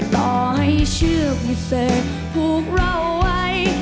ต่อให้ชื่อพิเศษผูกเราไว้